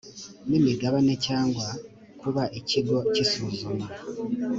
n imigabane cyangwa kuba ikigo cy isuzuma